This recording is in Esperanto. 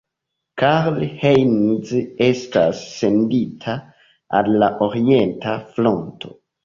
Karl Heinz estas sendita al la orienta fronto.